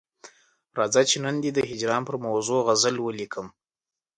راځه چې نن دي د هجران پر موضوع غزل ولیکم.